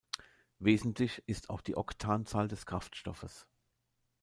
Wesentlich ist auch die Oktanzahl des Kraftstoffes.